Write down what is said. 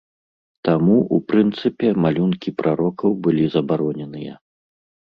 Таму, у прынцыпе, малюнкі прарокаў былі забароненыя.